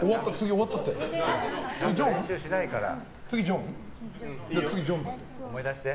終わったって。